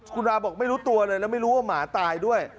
คุณราบอกไม่รู้ตัวเลยแล้วไม่รู้ว่าหมาตายด้วย